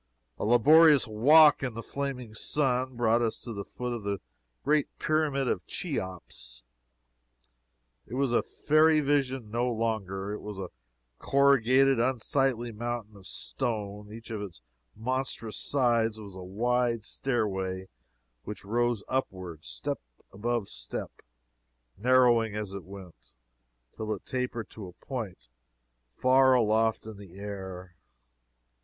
A laborious walk in the flaming sun brought us to the foot of the great Pyramid of Cheops. It was a fairy vision no longer. It was a corrugated, unsightly mountain of stone. Each of its monstrous sides was a wide stairway which rose upward, step above step, narrowing as it went, till it tapered to a point far aloft in the air.